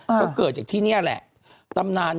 ก็เกิดจากที่เนี่ยแหละ